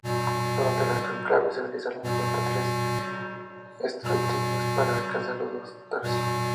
Durante el cónclave se realizaron ochenta y tres escrutinios para alcanzar los dos tercios.